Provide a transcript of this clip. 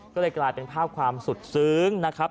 ก็เลยกลายเป็นภาพความสุดซึ้งนะครับ